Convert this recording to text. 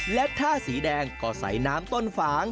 และถ้าสีแดงก็ใส่น้ำต้นฝาง